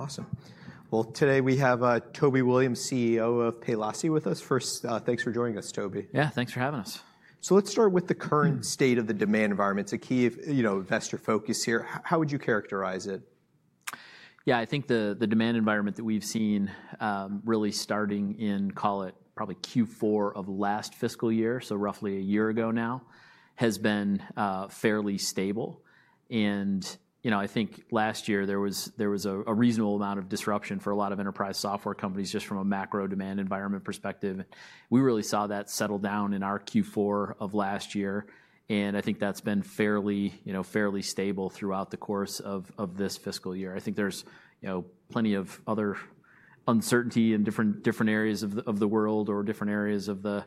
Awesome. Today we have Toby Williams, CEO of Paylocity, with us. First, thanks for joining us, Toby. Yeah, thanks for having us. Let's start with the current state of the demand environment. It's a key investor focus here. How would you characterize it? Yeah, I think the demand environment that we've seen really starting in, call it probably Q4 of last fiscal year, so roughly a year ago now, has been fairly stable. I think last year there was a reasonable amount of disruption for a lot of enterprise software companies just from a macro demand environment perspective. We really saw that settle down in our Q4 of last year. I think that's been fairly stable throughout the course of this fiscal year. I think there's plenty of other uncertainty in different areas of the world or different areas of the,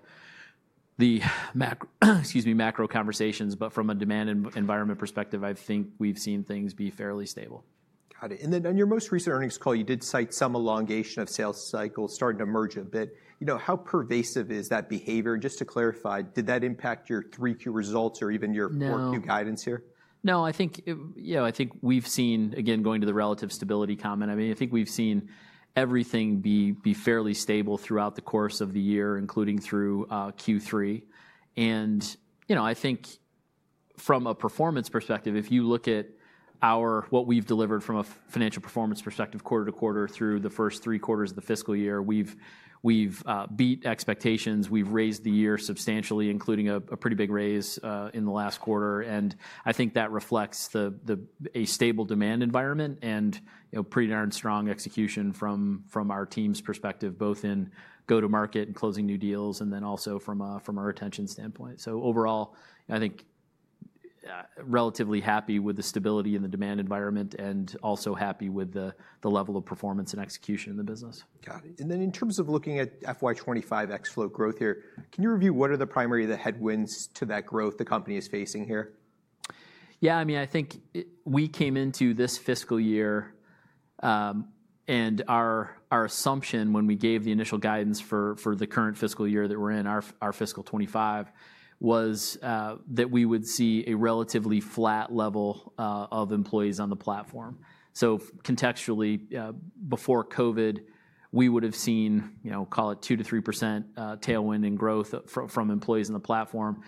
excuse me, macro conversations. From a demand environment perspective, I think we've seen things be fairly stable. Got it. On your most recent earnings call, you did cite some elongation of sales cycle starting to merge a bit. How pervasive is that behavior? Just to clarify, did that impact your Q3 results or even your Q4 guidance here? No, I think we've seen, again, going to the relative stability comment, I mean, I think we've seen everything be fairly stable throughout the course of the year, including through Q3. I think from a performance perspective, if you look at what we've delivered from a financial performance perspective, quarter to quarter through the first three quarters of the fiscal year, we've beat expectations. We've raised the year substantially, including a pretty big raise in the last quarter. I think that reflects a stable demand environment and pretty darn strong execution from our team's perspective, both in go-to-market and closing new deals, and then also from our retention standpoint. Overall, I think relatively happy with the stability in the demand environment and also happy with the level of performance and execution in the business. Got it. In terms of looking at FY25 ex-float growth here, can you review what are the primary headwinds to that growth the company is facing here? Yeah, I mean, I think we came into this fiscal year, and our assumption when we gave the initial guidance for the current fiscal year that we're in, our fiscal 2025, was that we would see a relatively flat level of employees on the platform. Contextually, before COVID, we would have seen, call it 2%-3% tailwind in growth from employees on the platform.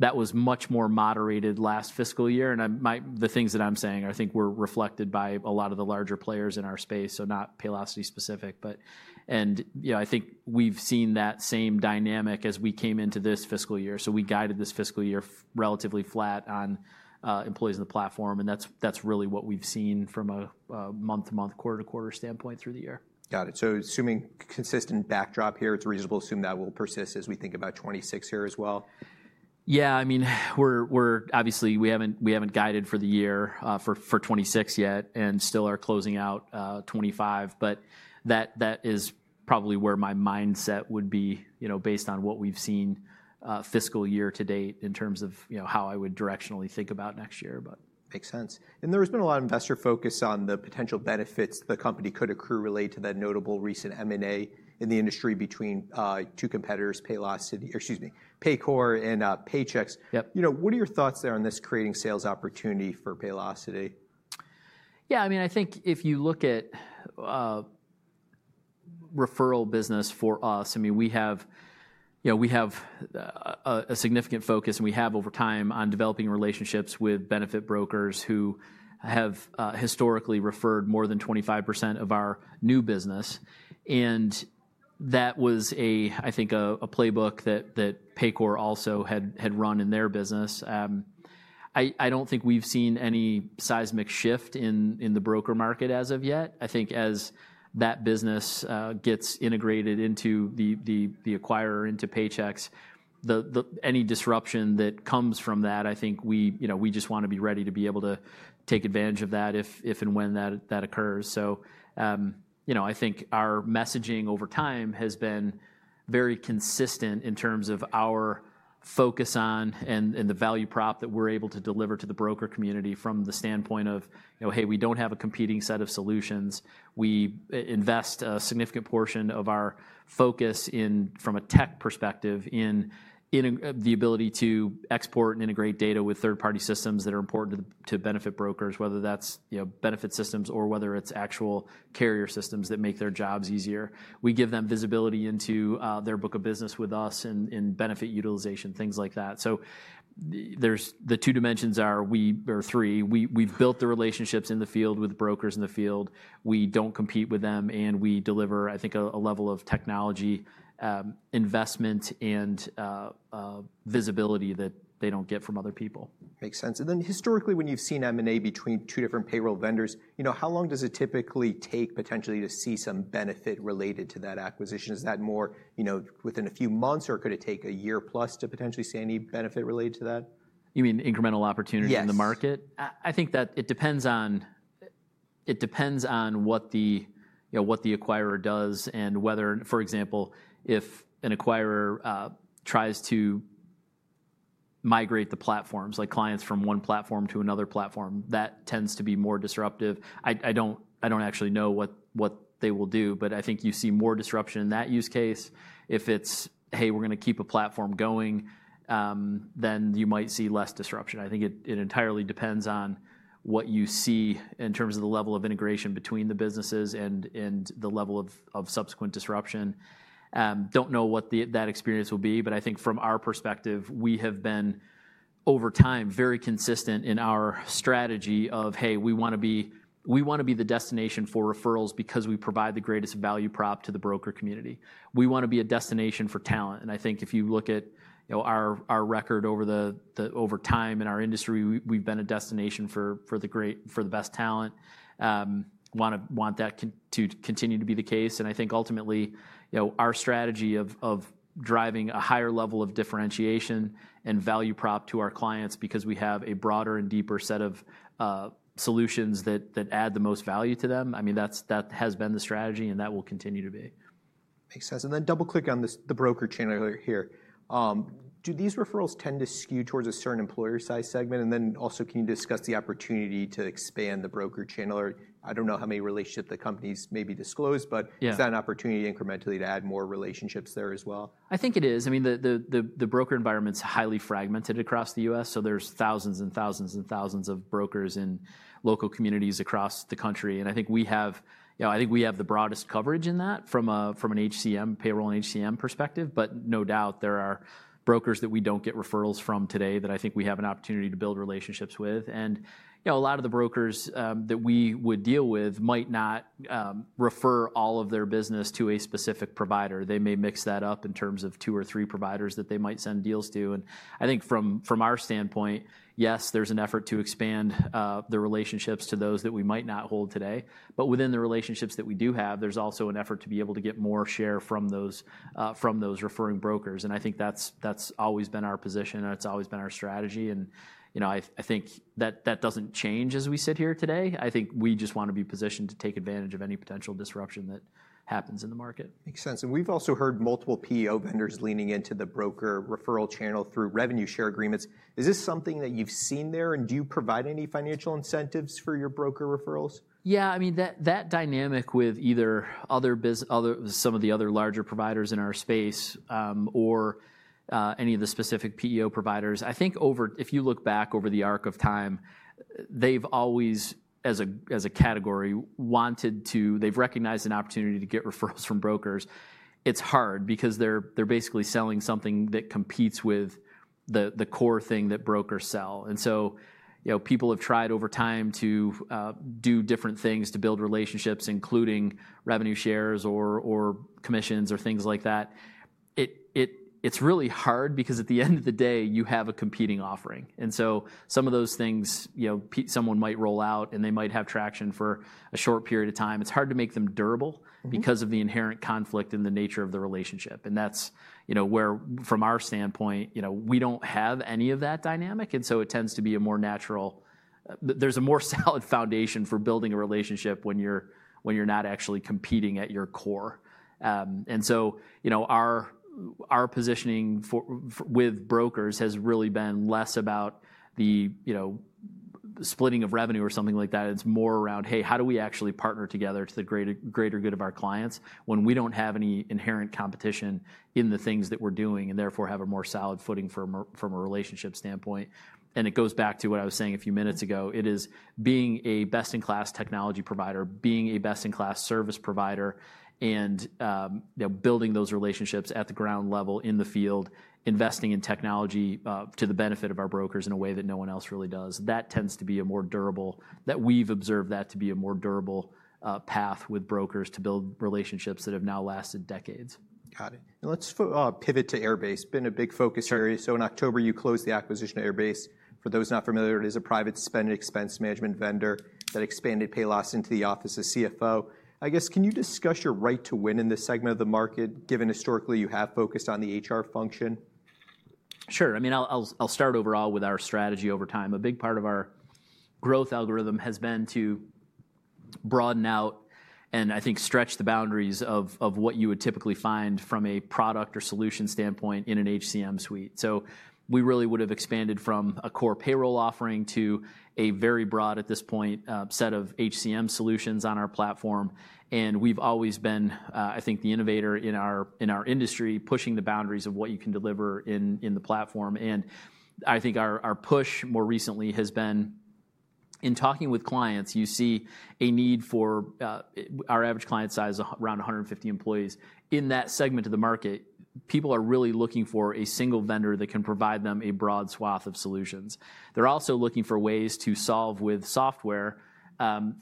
That was much more moderated last fiscal year. The things that I'm saying I think were reflected by a lot of the larger players in our space, so not Paylocity specific. I think we've seen that same dynamic as we came into this fiscal year. We guided this fiscal year relatively flat on employees on the platform. That's really what we've seen from a month-to-month, quarter-to-quarter standpoint through the year. Got it. Assuming consistent backdrop here, it's reasonable to assume that will persist as we think about 2026 here as well. Yeah, I mean, obviously, we haven't guided for the year for 2026 yet and still are closing out 2025. That is probably where my mindset would be based on what we've seen fiscal year to date in terms of how I would directionally think about next year. Makes sense. There has been a lot of investor focus on the potential benefits the company could accrue related to that notable recent M&A in the industry between two competitors, Paycor and Paychex. What are your thoughts there on this creating sales opportunity for Paylocity? Yeah, I mean, I think if you look at referral business for us, I mean, we have a significant focus and we have over time on developing relationships with benefit brokers who have historically referred more than 25% of our new business. That was, I think, a playbook that Paycor also had run in their business. I don't think we've seen any seismic shift in the broker market as of yet. I think as that business gets integrated into the acquirer, into Paychex, any disruption that comes from that, I think we just want to be ready to be able to take advantage of that if and when that occurs. I think our messaging over time has been very consistent in terms of our focus on and the value prop that we're able to deliver to the broker community from the standpoint of, hey, we don't have a competing set of solutions. We invest a significant portion of our focus from a tech perspective in the ability to export and integrate data with third-party systems that are important to benefit brokers, whether that's benefit systems or whether it's actual carrier systems that make their jobs easier. We give them visibility into their book of business with us and benefit utilization, things like that. The two dimensions are three. We've built the relationships in the field with brokers in the field. We don't compete with them. We deliver, I think, a level of technology investment and visibility that they don't get from other people. Makes sense. Historically, when you've seen M&A between two different payroll vendors, how long does it typically take potentially to see some benefit related to that acquisition? Is that more within a few months or could it take a year plus to potentially see any benefit related to that? You mean incremental opportunities in the market? Yeah. I think that it depends on what the acquirer does and whether, for example, if an acquirer tries to migrate the platforms, like clients from one platform to another platform, that tends to be more disruptive. I do not actually know what they will do. I think you see more disruption in that use case. If it is, hey, we are going to keep a platform going, then you might see less disruption. I think it entirely depends on what you see in terms of the level of integration between the businesses and the level of subsequent disruption. Do not know what that experience will be. I think from our perspective, we have been over time very consistent in our strategy of, hey, we want to be the destination for referrals because we provide the greatest value prop to the broker community. We want to be a destination for talent. I think if you look at our record over time in our industry, we've been a destination for the best talent. Want that to continue to be the case. I think ultimately our strategy of driving a higher level of differentiation and value prop to our clients because we have a broader and deeper set of solutions that add the most value to them. I mean, that has been the strategy and that will continue to be. Makes sense. Double-click on the broker channel here. Do these referrals tend to skew towards a certain employer-sized segment? Also, can you discuss the opportunity to expand the broker channel? I do not know how many relationships the company's maybe disclosed, but is that an opportunity incrementally to add more relationships there as well? I think it is. I mean, the broker environment's highly fragmented across the U.S. There are thousands and thousands and thousands of brokers in local communities across the country. I think we have the broadest coverage in that from an HCM, payroll and HCM perspective. No doubt there are brokers that we don't get referrals from today that I think we have an opportunity to build relationships with. A lot of the brokers that we would deal with might not refer all of their business to a specific provider. They may mix that up in terms of two or three providers that they might send deals to. I think from our standpoint, yes, there's an effort to expand the relationships to those that we might not hold today. Within the relationships that we do have, there's also an effort to be able to get more share from those referring brokers. I think that's always been our position and it's always been our strategy. I think that doesn't change as we sit here today. I think we just want to be positioned to take advantage of any potential disruption that happens in the market. Makes sense. We've also heard multiple PEO vendors leaning into the broker referral channel through revenue share agreements. Is this something that you've seen there? Do you provide any financial incentives for your broker referrals? Yeah, I mean, that dynamic with either some of the other larger providers in our space or any of the specific PEO providers, I think if you look back over the arc of time, they've always, as a category, wanted to, they've recognized an opportunity to get referrals from brokers. It's hard because they're basically selling something that competes with the core thing that brokers sell. People have tried over time to do different things to build relationships, including revenue shares or commissions or things like that. It's really hard because at the end of the day, you have a competing offering. Some of those things someone might roll out and they might have traction for a short period of time. It's hard to make them durable because of the inherent conflict in the nature of the relationship. From our standpoint, we do not have any of that dynamic. It tends to be a more natural, there is a more solid foundation for building a relationship when you are not actually competing at your core. Our positioning with brokers has really been less about the splitting of revenue or something like that. It is more around, hey, how do we actually partner together to the greater good of our clients when we do not have any inherent competition in the things that we are doing and therefore have a more solid footing from a relationship standpoint? It goes back to what I was saying a few minutes ago. It is being a best-in-class technology provider, being a best-in-class service provider, and building those relationships at the ground level in the field, investing in technology to the benefit of our brokers in a way that no one else really does. That tends to be more durable, that we've observed that to be a more durable path with brokers to build relationships that have now lasted decades. Got it. Let's pivot to Airbase. It's been a big focus area. In October, you closed the acquisition of Airbase. For those not familiar, it is a private spend and expense management vendor that expanded Paylocity into the office of CFO. I guess, can you discuss your right to win in this segment of the market, given historically you have focused on the HR function? Sure. I mean, I'll start overall with our strategy over time. A big part of our growth algorithm has been to broaden out and I think stretch the boundaries of what you would typically find from a product or solution standpoint in an HCM suite. We really would have expanded from a core payroll offering to a very broad, at this point, set of HCM solutions on our platform. We've always been, I think, the innovator in our industry pushing the boundaries of what you can deliver in the platform. I think our push more recently has been in talking with clients. You see a need for our average client size is around 150 employees. In that segment of the market, people are really looking for a single vendor that can provide them a broad swath of solutions. They're also looking for ways to solve with software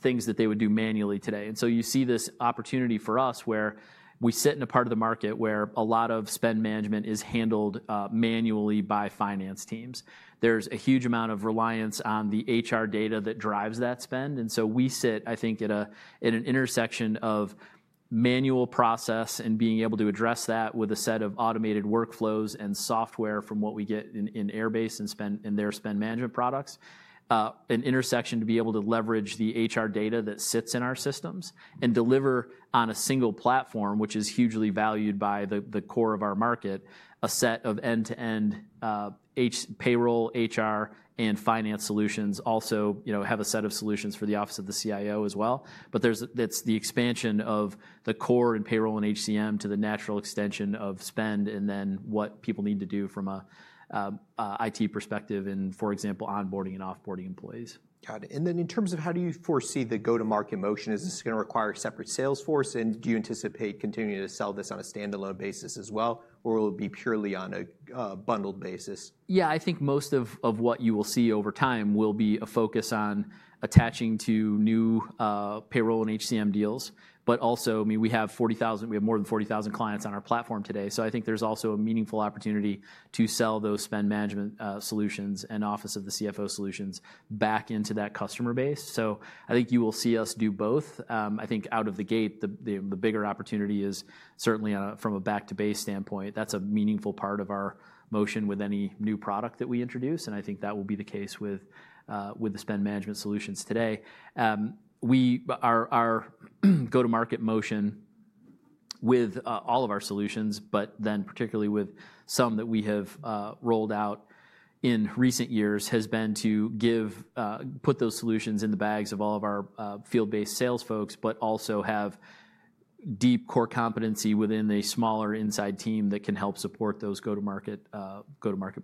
things that they would do manually today. You see this opportunity for us where we sit in a part of the market where a lot of spend management is handled manually by finance teams. There's a huge amount of reliance on the HR data that drives that spend. We sit, I think, at an intersection of manual process and being able to address that with a set of automated workflows and software from what we get in Airbase and their spend management products, an intersection to be able to leverage the HR data that sits in our systems and deliver on a single platform, which is hugely valued by the core of our market, a set of end-to-end payroll, HR, and finance solutions. We also have a set of solutions for the office of the CIO as well. It's the expansion of the core and payroll and HCM to the natural extension of spend and then what people need to do from an IT perspective and, for example, onboarding and offboarding employees. Got it. In terms of how do you foresee the go-to-market motion? Is this going to require a separate sales force? Do you anticipate continuing to sell this on a standalone basis as well? Or will it be purely on a bundled basis? Yeah, I think most of what you will see over time will be a focus on attaching to new payroll and HCM deals. I mean, we have more than 40,000 clients on our platform today. I think there's also a meaningful opportunity to sell those spend management solutions and office of the CFO solutions back into that customer base. I think you will see us do both. I think out of the gate, the bigger opportunity is certainly from a back-to-base standpoint. That's a meaningful part of our motion with any new product that we introduce. I think that will be the case with the spend management solutions today. Our go-to-market motion with all of our solutions, but then particularly with some that we have rolled out in recent years, has been to put those solutions in the bags of all of our field-based sales folks, but also have deep core competency within the smaller inside team that can help support those go-to-market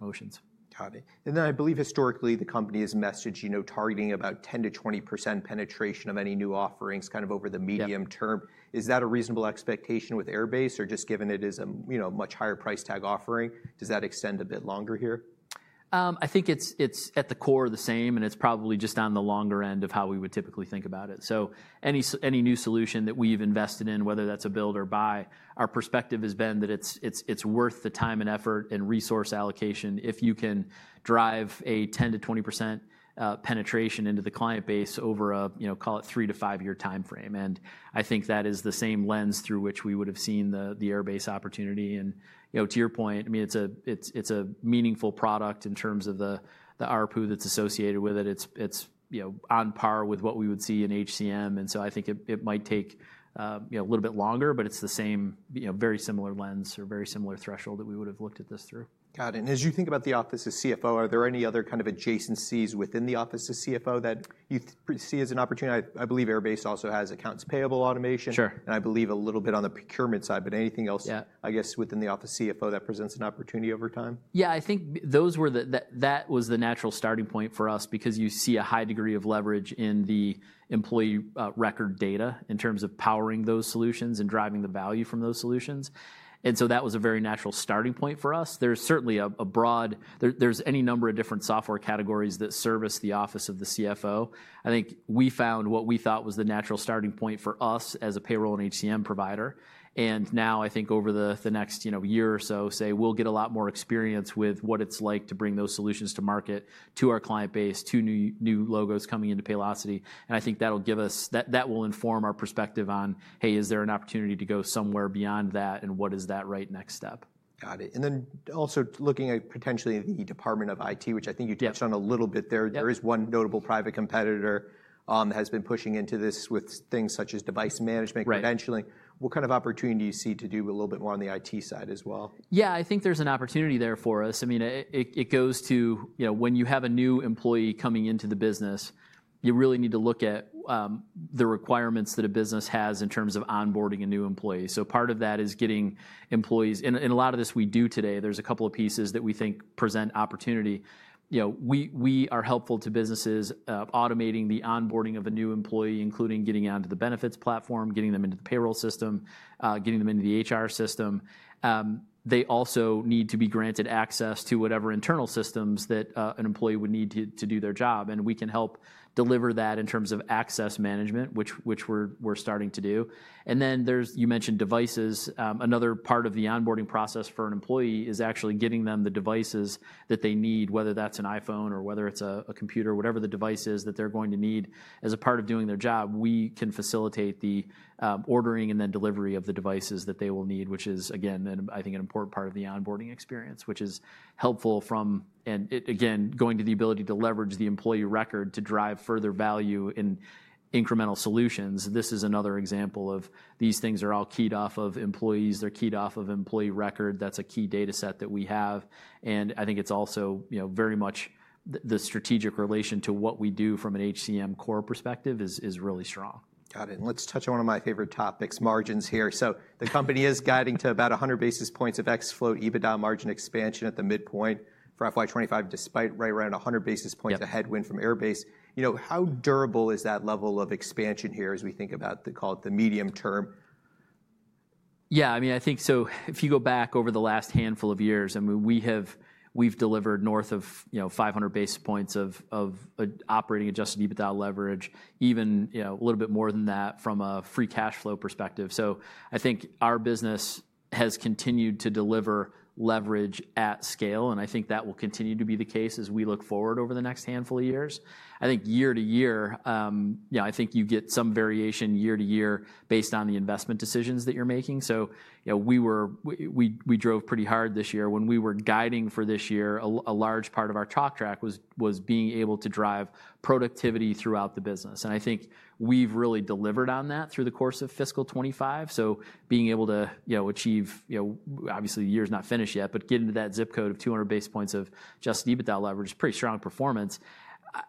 motions. Got it. I believe historically the company has messaged targeting about 10%-20% penetration of any new offerings kind of over the medium term. Is that a reasonable expectation with Airbase? Or just given it is a much higher price tag offering, does that extend a bit longer here? I think it's at the core the same. It's probably just on the longer end of how we would typically think about it. Any new solution that we've invested in, whether that's a build or buy, our perspective has been that it's worth the time and effort and resource allocation if you can drive a 10%-20% penetration into the client base over a, call it, three-to-five-year time frame. I think that is the same lens through which we would have seen the Airbase opportunity. To your point, I mean, it's a meaningful product in terms of the RPU that's associated with it. It's on par with what we would see in HCM. I think it might take a little bit longer, but it's the same very similar lens or very similar threshold that we would have looked at this through. Got it. As you think about the office of CFO, are there any other kind of adjacencies within the office of CFO that you see as an opportunity? I believe Airbase also has accounts payable automation. Sure. I believe a little bit on the procurement side. But anything else, I guess, within the office of CFO that presents an opportunity over time? Yeah, I think that was the natural starting point for us because you see a high degree of leverage in the employee record data in terms of powering those solutions and driving the value from those solutions. That was a very natural starting point for us. There's certainly a broad, there's any number of different software categories that service the office of the CFO. I think we found what we thought was the natural starting point for us as a payroll and HCM provider. Now I think over the next year or so, say, we'll get a lot more experience with what it's like to bring those solutions to market to our client base, to new logos coming into Paylocity. I think that will inform our perspective on, hey, is there an opportunity to go somewhere beyond that? What is that right next step? Got it. Also looking at potentially the Department of IT, which I think you touched on a little bit there, there is one notable private competitor that has been pushing into this with things such as device management credentialing. What kind of opportunity do you see to do a little bit more on the IT side as well? Yeah, I think there's an opportunity there for us. I mean, it goes to when you have a new employee coming into the business, you really need to look at the requirements that a business has in terms of onboarding a new employee. Part of that is getting employees, and a lot of this we do today. There's a couple of pieces that we think present opportunity. We are helpful to businesses automating the onboarding of a new employee, including getting onto the benefits platform, getting them into the payroll system, getting them into the HR system. They also need to be granted access to whatever internal systems that an employee would need to do their job. We can help deliver that in terms of access management, which we're starting to do. You mentioned devices. Another part of the onboarding process for an employee is actually getting them the devices that they need, whether that's an iPhone or whether it's a computer, whatever the device is that they're going to need. As a part of doing their job, we can facilitate the ordering and then delivery of the devices that they will need, which is, again, I think an important part of the onboarding experience, which is helpful from, and again, going to the ability to leverage the employee record to drive further value in incremental solutions. This is another example of these things are all keyed off of employees. They're keyed off of employee record. That's a key data set that we have. I think it's also very much the strategic relation to what we do from an HCM core perspective is really strong. Got it. Let's touch on one of my favorite topics, margins here. The company is guiding to about 100 basis points of ex-float EBITDA margin expansion at the midpoint for FY2025, despite right around 100 basis points of headwind from Airbase. How durable is that level of expansion here as we think about the medium term? Yeah, I mean, I think so if you go back over the last handful of years, I mean, we've delivered north of 500 basis points of operating adjusted EBITDA leverage, even a little bit more than that from a free cash flow perspective. I think our business has continued to deliver leverage at scale. I think that will continue to be the case as we look forward over the next handful of years. I think year to year, you get some variation year to year based on the investment decisions that you're making. We drove pretty hard this year. When we were guiding for this year, a large part of our talk track was being able to drive productivity throughout the business. I think we've really delivered on that through the course of fiscal 2025. Being able to achieve, obviously, the year's not finished yet, but getting to that zip code of 200 basis points of just EBITDA leverage is pretty strong performance.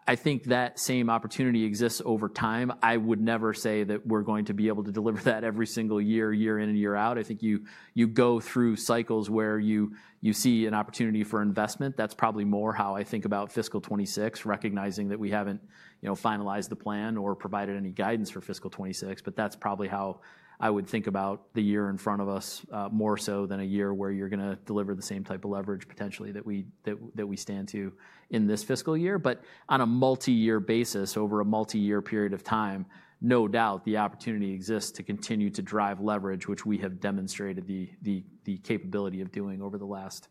I think that same opportunity exists over time. I would never say that we're going to be able to deliver that every single year, year in and year out. I think you go through cycles where you see an opportunity for investment. That's probably more how I think about fiscal 2026, recognizing that we haven't finalized the plan or provided any guidance for fiscal 2026. That's probably how I would think about the year in front of us more so than a year where you're going to deliver the same type of leverage potentially that we stand to in this fiscal year. On a multi-year basis, over a multi-year period of time, no doubt the opportunity exists to continue to drive leverage, which we have demonstrated the capability of doing over the last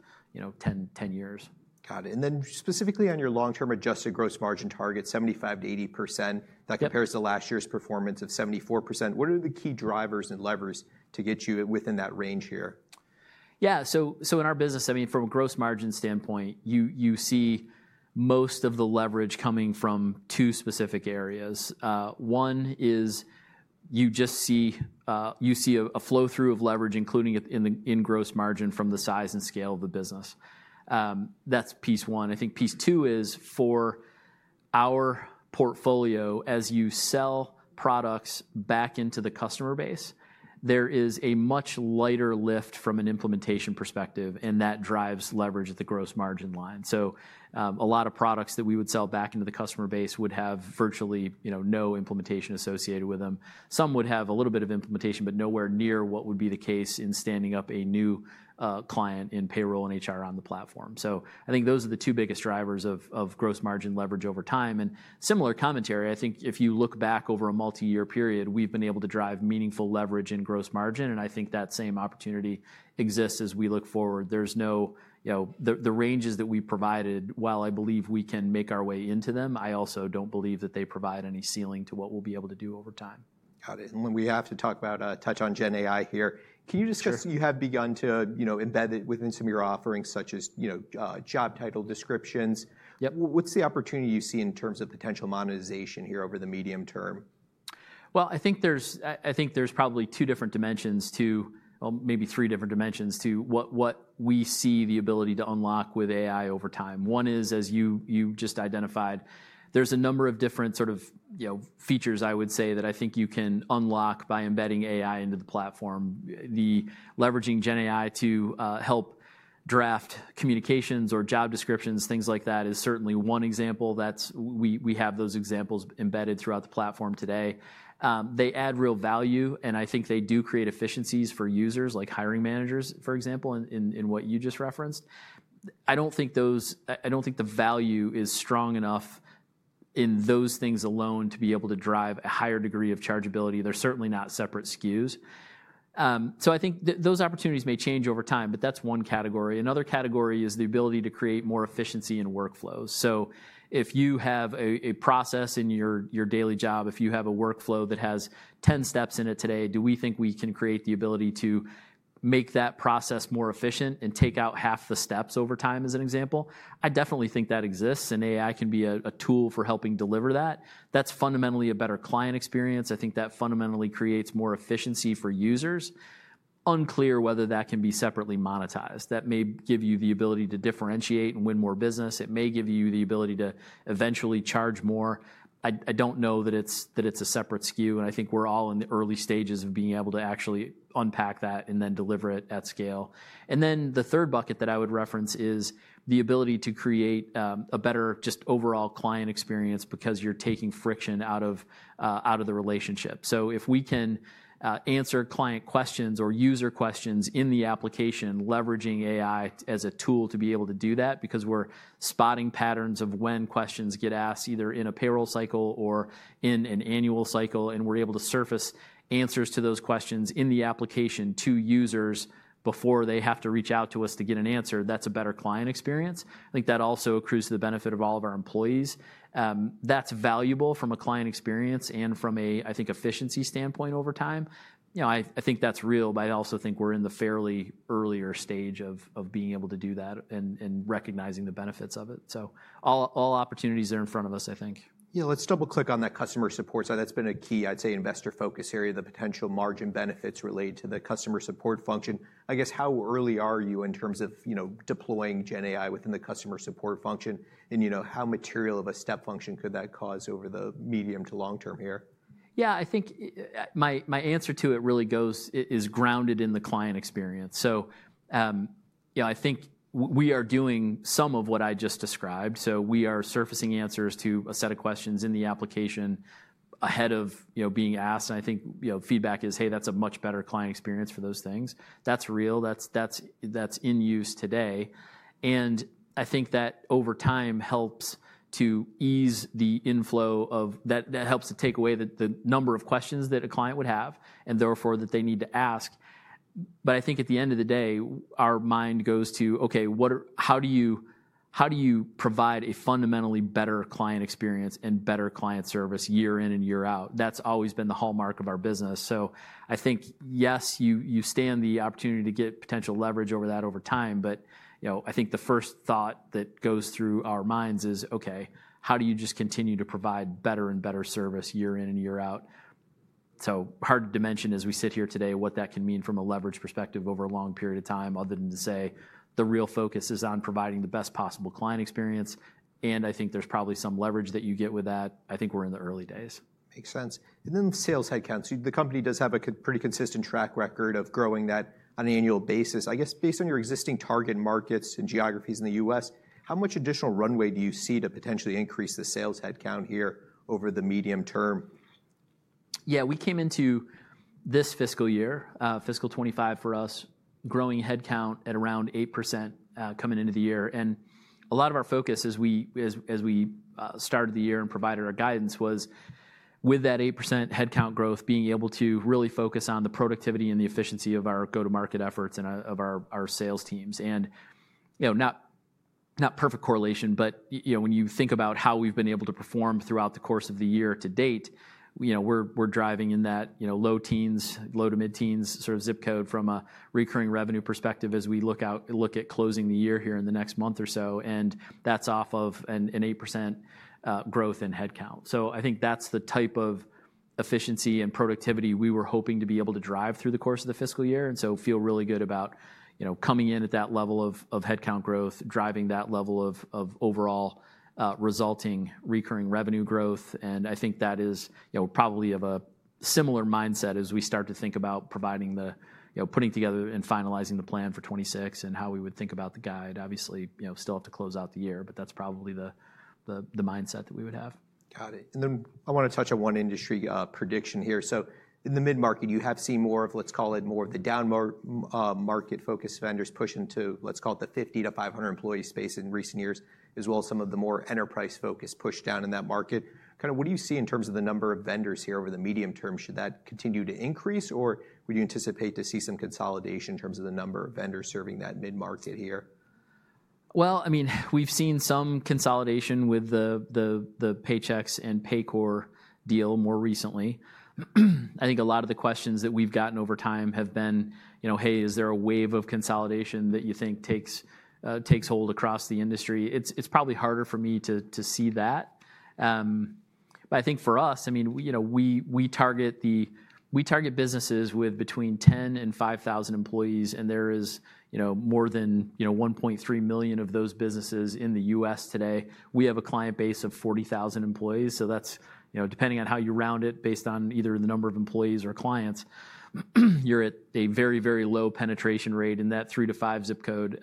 10 years. Got it. And then specifically on your long-term adjusted gross margin target, 75%-80%, that compares to last year's performance of 74%. What are the key drivers and levers to get you within that range here? Yeah, so in our business, I mean, from a gross margin standpoint, you see most of the leverage coming from two specific areas. One is you just see a flow-through of leverage, including in gross margin from the size and scale of the business. That's piece one. I think piece two is for our portfolio, as you sell products back into the customer base, there is a much lighter lift from an implementation perspective. That drives leverage at the gross margin line. A lot of products that we would sell back into the customer base would have virtually no implementation associated with them. Some would have a little bit of implementation, but nowhere near what would be the case in standing up a new client in payroll and HR on the platform. I think those are the two biggest drivers of gross margin leverage over time. Similar commentary, I think if you look back over a multi-year period, we've been able to drive meaningful leverage in gross margin. I think that same opportunity exists as we look forward. The ranges that we provided, while I believe we can make our way into them, I also don't believe that they provide any ceiling to what we'll be able to do over time. Got it. When we have to talk about, touch on GenAI here, can you discuss you have begun to embed it within some of your offerings, such as job title descriptions? Yep. What's the opportunity you see in terms of potential monetization here over the medium term? I think there's probably two different dimensions to, well, maybe three different dimensions to what we see the ability to unlock with AI over time. One is, as you just identified, there's a number of different sort of features, I would say, that I think you can unlock by embedding AI into the platform. The leveraging GenAI to help draft communications or job descriptions, things like that, is certainly one example. We have those examples embedded throughout the platform today. They add real value. I think they do create efficiencies for users, like hiring managers, for example, in what you just referenced. I don't think the value is strong enough in those things alone to be able to drive a higher degree of chargeability. They're certainly not separate SKUs. I think those opportunities may change over time, but that's one category. Another category is the ability to create more efficiency in workflows. If you have a process in your daily job, if you have a workflow that has 10 steps in it today, do we think we can create the ability to make that process more efficient and take out half the steps over time as an example? I definitely think that exists. AI can be a tool for helping deliver that. That is fundamentally a better client experience. I think that fundamentally creates more efficiency for users. Unclear whether that can be separately monetized. That may give you the ability to differentiate and win more business. It may give you the ability to eventually charge more. I do not know that it is a separate SKU. I think we are all in the early stages of being able to actually unpack that and then deliver it at scale. The third bucket that I would reference is the ability to create a better just overall client experience because you're taking friction out of the relationship. If we can answer client questions or user questions in the application, leveraging AI as a tool to be able to do that, because we're spotting patterns of when questions get asked either in a payroll cycle or in an annual cycle, and we're able to surface answers to those questions in the application to users before they have to reach out to us to get an answer, that's a better client experience. I think that also accrues to the benefit of all of our employees. That's valuable from a client experience and from a, I think, efficiency standpoint over time. I think that's real. I also think we're in the fairly earlier stage of being able to do that and recognizing the benefits of it. So all opportunities are in front of us, I think. Yeah, let's double-click on that customer support side. That's been a key, I'd say, investor focus area, the potential margin benefits related to the customer support function. I guess how early are you in terms of deploying GenAI within the customer support function? And how material of a step function could that cause over the medium to long term here? Yeah, I think my answer to it really is grounded in the client experience. I think we are doing some of what I just described. We are surfacing answers to a set of questions in the application ahead of being asked. I think feedback is, hey, that's a much better client experience for those things. That's real. That's in use today. I think that over time helps to ease the inflow of that, helps to take away the number of questions that a client would have and therefore that they need to ask. I think at the end of the day, our mind goes to, OK, how do you provide a fundamentally better client experience and better client service year in and year out? That's always been the hallmark of our business. I think, yes, you stand the opportunity to get potential leverage over that over time. I think the first thought that goes through our minds is, ok, how do you just continue to provide better and better service year in and year out? It is hard to dimension as we sit here today what that can mean from a leverage perspective over a long period of time, other than to say the real focus is on providing the best possible client experience. I think there is probably some leverage that you get with that. I think we are in the early days. Makes sense. And then sales headcount. So the company does have a pretty consistent track record of growing that on an annual basis. I guess based on your existing target markets and geographies in the U.S., how much additional runway do you see to potentially increase the sales headcount here over the medium term? Yeah, we came into this fiscal year, fiscal 2025 for us, growing headcount at around 8% coming into the year. A lot of our focus as we started the year and provided our guidance was with that 8% headcount growth, being able to really focus on the productivity and the efficiency of our go-to-market efforts and of our sales teams. Not perfect correlation, but when you think about how we've been able to perform throughout the course of the year to date, we're driving in that low teens, low to mid-teens sort of zip code from a recurring revenue perspective as we look at closing the year here in the next month or so. That's off of an 8% growth in headcount. I think that's the type of efficiency and productivity we were hoping to be able to drive through the course of the fiscal year. I feel really good about coming in at that level of headcount growth, driving that level of overall resulting recurring revenue growth. I think that is probably of a similar mindset as we start to think about providing the putting together and finalizing the plan for 2026 and how we would think about the guide. Obviously, still have to close out the year, but that's probably the mindset that we would have. Got it. I want to touch on one industry prediction here. In the mid-market, you have seen more of, let's call it, more of the down market focus vendors push into, let's call it, the 50-500 employee space in recent years, as well as some of the more enterprise focus pushed down in that market. Kind of what do you see in terms of the number of vendors here over the medium term? Should that continue to increase? Would you anticipate to see some consolidation in terms of the number of vendors serving that mid-market here? I mean, we've seen some consolidation with the Paychex and Paycor deal more recently. I think a lot of the questions that we've gotten over time have been, hey, is there a wave of consolidation that you think takes hold across the industry? It's probably harder for me to see that. I think for us, I mean, we target businesses with between 10 and 5,000 employees. There is more than 1.3 million of those businesses in the U.S. today. We have a client base of 40,000 employees. That's, depending on how you round it based on either the number of employees or clients, you're at a very, very low penetration rate in that three to five zip code.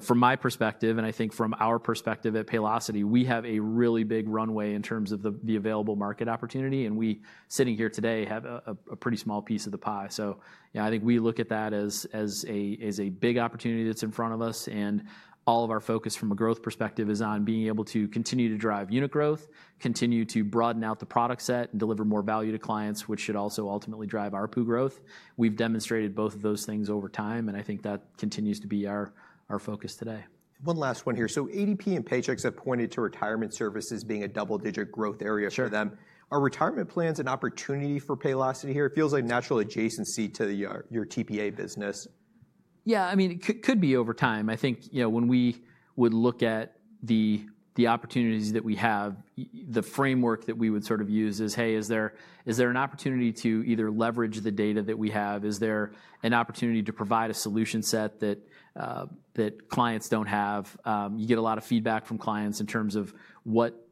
From my perspective, and I think from our perspective at Paylocity, we have a really big runway in terms of the available market opportunity. We sitting here today have a pretty small piece of the pie. I think we look at that as a big opportunity that's in front of us. All of our focus from a growth perspective is on being able to continue to drive unit growth, continue to broaden out the product set, and deliver more value to clients, which should also ultimately drive our RPU growth. We've demonstrated both of those things over time. I think that continues to be our focus today. One last one here. ADP and Paychex have pointed to retirement services being a double-digit growth area for them. Are retirement plans an opportunity for Paylocity here? It feels like natural adjacency to your TPA business. Yeah, I mean, it could be over time. I think when we would look at the opportunities that we have, the framework that we would sort of use is, hey, is there an opportunity to either leverage the data that we have? Is there an opportunity to provide a solution set that clients don't have? You get a lot of feedback from clients in terms of what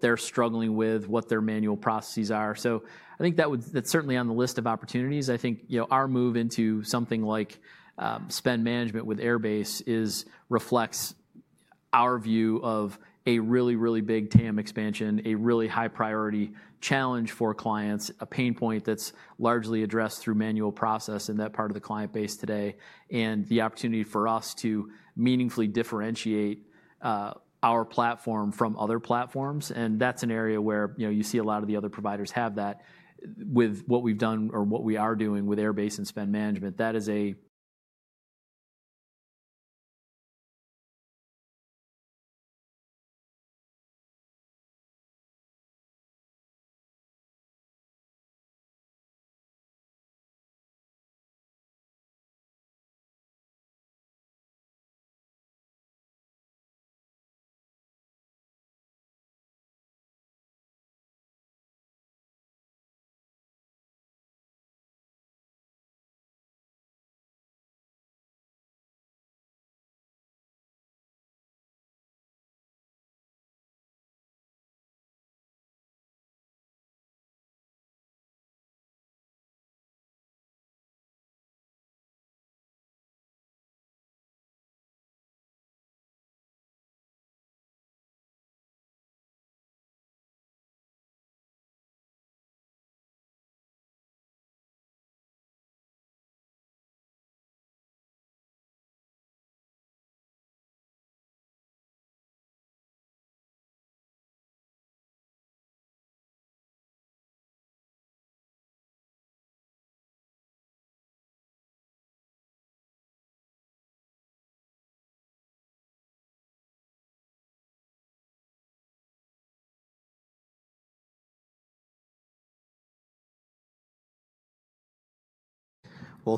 they're struggling with, what their manual processes are. I think that's certainly on the list of opportunities. I think our move into something like spend management with Airbase reflects our view of a really, really big TAM expansion, a really high-priority challenge for clients, a pain point that's largely addressed through manual process in that part of the client base today, and the opportunity for us to meaningfully differentiate our platform from other platforms. That is an area where you see a lot of the other providers have that. With what we've done or what we are doing with Airbase and spend management, that is a.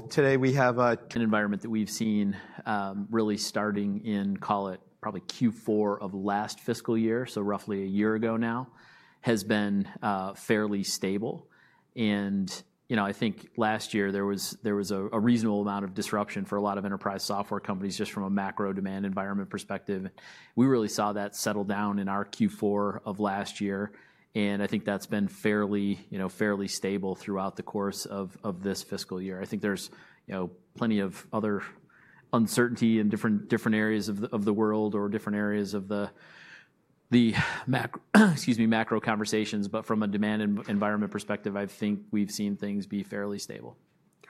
Today we have a. Environment that we've seen really starting in, call it, probably Q4 of last fiscal year, so roughly a year ago now, has been fairly stable. I think last year there was a reasonable amount of disruption for a lot of enterprise software companies just from a macro demand environment perspective. We really saw that settle down in our Q4 of last year. I think that's been fairly stable throughout the course of this fiscal year. I think there's plenty of other uncertainty in different areas of the world or different areas of the, excuse me, macro conversations. From a demand environment perspective, I think we've seen things be fairly stable.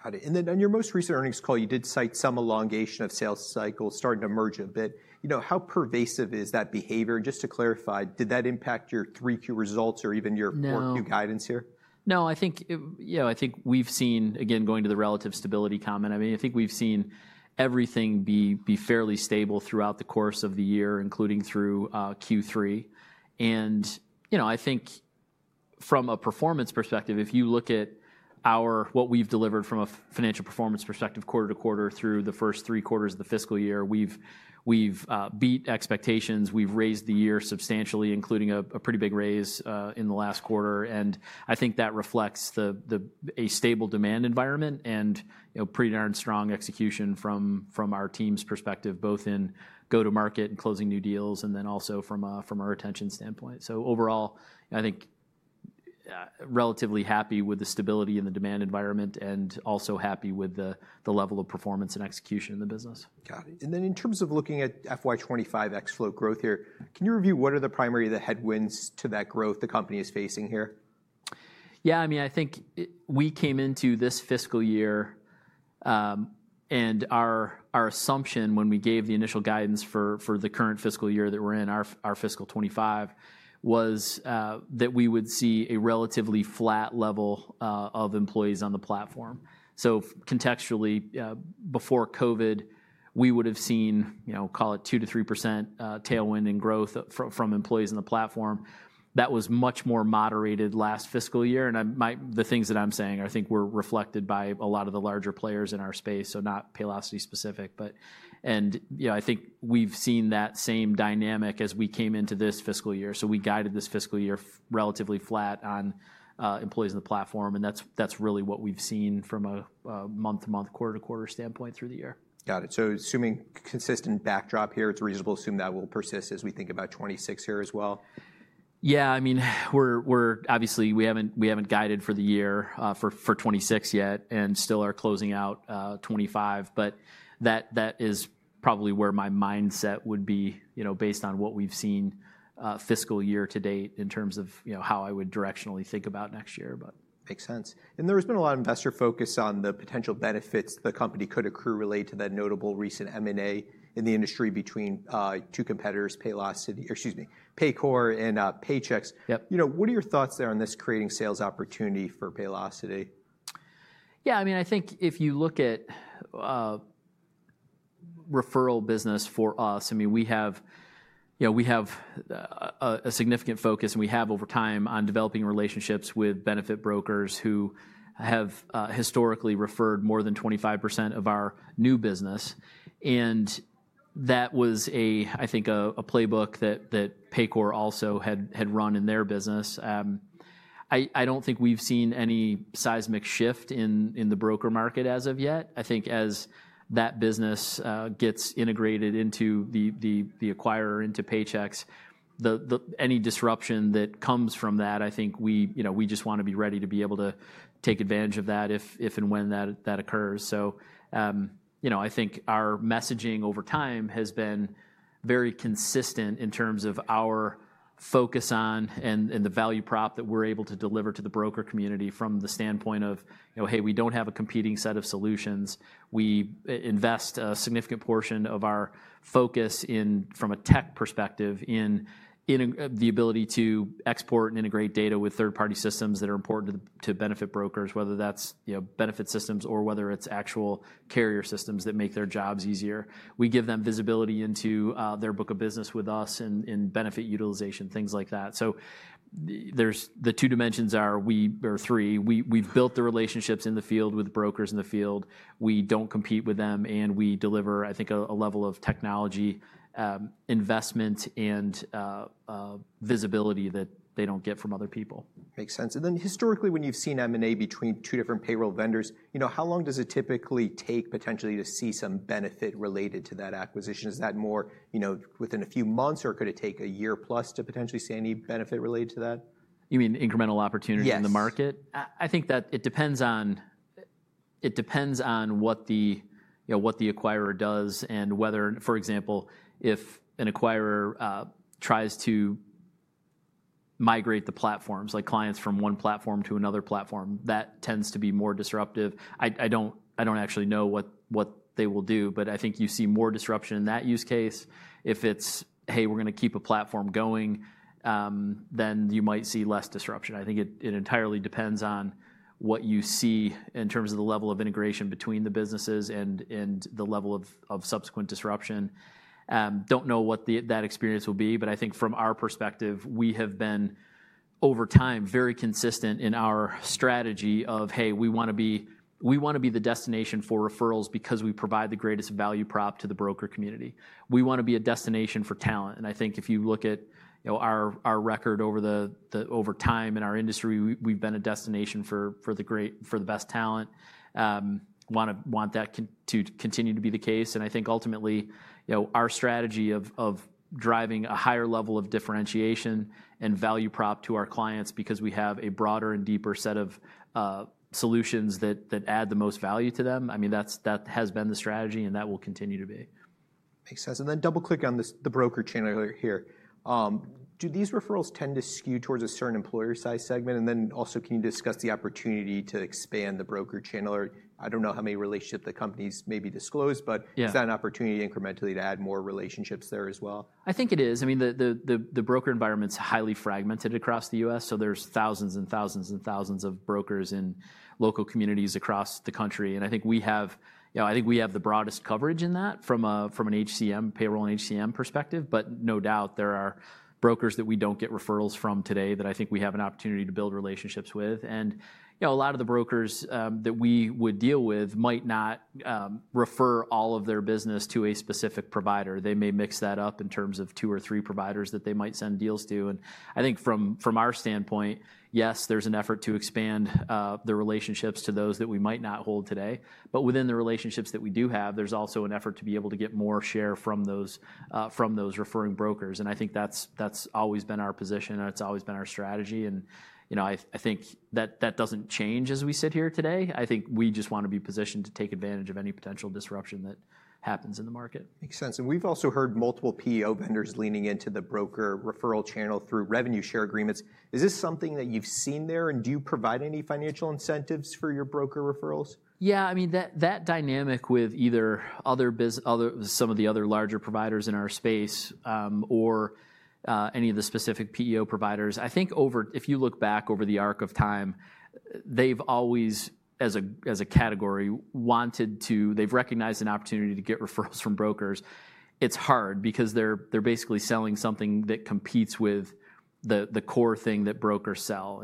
Got it. On your most recent earnings call, you did cite some elongation of sales cycle starting to emerge a bit. How pervasive is that behavior? Just to clarify, did that impact your 3Q results or even your 4Q guidance here? No. I think we've seen, again, going to the relative stability comment, I mean, I think we've seen everything be fairly stable throughout the course of the year, including through Q3. I think from a performance perspective, if you look at what we've delivered from a financial performance perspective quarter to quarter through the first three quarters of the fiscal year, we've beat expectations. We've raised the year substantially, including a pretty big raise in the last quarter. I think that reflects a stable demand environment and pretty darn strong execution from our team's perspective, both in go-to-market and closing new deals, and then also from our retention standpoint. Overall, I think relatively happy with the stability in the demand environment and also happy with the level of performance and execution in the business. Got it. In terms of looking at FY25 ex-float growth here, can you review what are the primary headwinds to that growth the company is facing here? Yeah, I mean, I think we came into this fiscal year, and our assumption when we gave the initial guidance for the current fiscal year that we're in, our fiscal 2025, was that we would see a relatively flat level of employees on the platform. Contextually, before COVID, we would have seen, call it, 2%-3% tailwind in growth from employees on the platform. That was much more moderated last fiscal year. The things that I'm saying, I think, were reflected by a lot of the larger players in our space, so not Paylocity specific. I think we've seen that same dynamic as we came into this fiscal year. We guided this fiscal year relatively flat on employees on the platform. That's really what we've seen from a month-to-month, quarter-to-quarter standpoint through the year. Got it. Assuming consistent backdrop here, it's reasonable to assume that will persist as we think about 2026 here as well. Yeah, I mean, obviously, we haven't guided for the year for 2026 yet and still are closing out 2025. That is probably where my mindset would be based on what we've seen fiscal year to date in terms of how I would directionally think about next year. Makes sense. There has been a lot of investor focus on the potential benefits the company could accrue related to that notable recent M&A in the industry between two competitors, Paylocity, excuse me, Paycor and Paychex. What are your thoughts there on this creating sales opportunity for Paylocity? Yeah, I mean, I think if you look at referral business for us, I mean, we have a significant focus, and we have over time on developing relationships with benefit brokers who have historically referred more than 25% of our new business. That was, I think, a playbook that Paycor also had run in their business. I don't think we've seen any seismic shift in the broker market as of yet. I think as that business gets integrated into the acquirer, into Paychex, any disruption that comes from that, I think we just want to be ready to be able to take advantage of that if and when that occurs. I think our messaging over time has been very consistent in terms of our focus on and the value prop that we're able to deliver to the broker community from the standpoint of, hey, we don't have a competing set of solutions. We invest a significant portion of our focus from a tech perspective in the ability to export and integrate data with third-party systems that are important to benefit brokers, whether that's benefit systems or whether it's actual carrier systems that make their jobs easier. We give them visibility into their book of business with us and benefit utilization, things like that. The two dimensions are three. We've built the relationships in the field with brokers in the field. We don't compete with them. We deliver, I think, a level of technology investment and visibility that they don't get from other people. Makes sense. Historically, when you've seen M&A between two different payroll vendors, how long does it typically take potentially to see some benefit related to that acquisition? Is that more within a few months? Or could it take a year plus to potentially see any benefit related to that? You mean incremental opportunity in the market? Yeah. I think that it depends on what the acquirer does and whether, for example, if an acquirer tries to migrate the platforms, like clients from one platform to another platform, that tends to be more disruptive. I do not actually know what they will do. I think you see more disruption in that use case. If it is, hey, we are going to keep a platform going, then you might see less disruption. I think it entirely depends on what you see in terms of the level of integration between the businesses and the level of subsequent disruption. Do not know what that experience will be. I think from our perspective, we have been over time very consistent in our strategy of, hey, we want to be the destination for referrals because we provide the greatest value prop to the broker community. We want to be a destination for talent. I think if you look at our record over time in our industry, we've been a destination for the best talent. Want that to continue to be the case. I think ultimately, our strategy of driving a higher level of differentiation and value prop to our clients because we have a broader and deeper set of solutions that add the most value to them, I mean, that has been the strategy. That will continue to be. Makes sense. Double-click on the broker channel here. Do these referrals tend to skew towards a certain employer-sized segment? Also, can you discuss the opportunity to expand the broker channel? I don't know how many relationships the company's maybe disclosed. Is that an opportunity incrementally to add more relationships there as well? I think it is. I mean, the broker environment's highly fragmented across the US. There are thousands and thousands and thousands of brokers in local communities across the country. I think we have the broadest coverage in that from an HCM, payroll and HCM perspective. No doubt, there are brokers that we don't get referrals from today that I think we have an opportunity to build relationships with. A lot of the brokers that we would deal with might not refer all of their business to a specific provider. They may mix that up in terms of two or three providers that they might send deals to. I think from our standpoint, yes, there's an effort to expand the relationships to those that we might not hold today. Within the relationships that we do have, there's also an effort to be able to get more share from those referring brokers. I think that's always been our position. It's always been our strategy. I think that doesn't change as we sit here today. I think we just want to be positioned to take advantage of any potential disruption that happens in the market. Makes sense. We've also heard multiple PEO vendors leaning into the broker referral channel through revenue share agreements. Is this something that you've seen there? Do you provide any financial incentives for your broker referrals? Yeah, I mean, that dynamic with either some of the other larger providers in our space or any of the specific PEO providers, I think if you look back over the arc of time, they've always, as a category, wanted to, they've recognized an opportunity to get referrals from brokers. It's hard because they're basically selling something that competes with the core thing that brokers sell.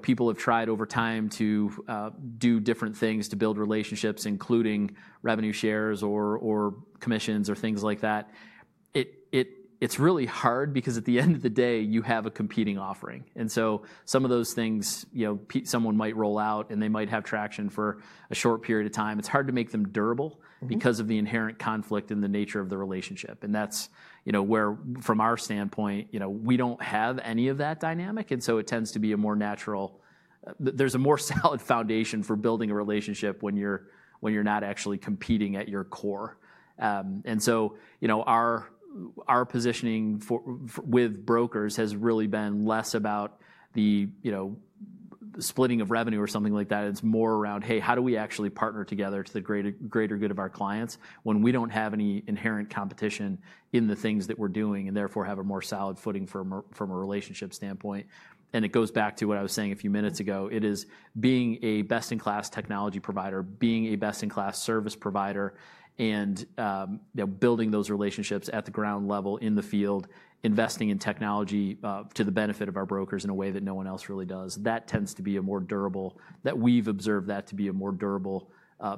People have tried over time to do different things to build relationships, including revenue shares or commissions or things like that. It's really hard because at the end of the day, you have a competing offering. Some of those things someone might roll out, and they might have traction for a short period of time. It's hard to make them durable because of the inherent conflict in the nature of the relationship. From our standpoint, we do not have any of that dynamic. It tends to be more natural; there is a more solid foundation for building a relationship when you are not actually competing at your core. Our positioning with brokers has really been less about the splitting of revenue or something like that. It is more around, hey, how do we actually partner together to the greater good of our clients when we do not have any inherent competition in the things that we are doing and therefore have a more solid footing from a relationship standpoint? It goes back to what I was saying a few minutes ago. It is being a best-in-class technology provider, being a best-in-class service provider, and building those relationships at the ground level in the field, investing in technology to the benefit of our brokers in a way that no one else really does. That tends to be more durable. We have observed that to be a more durable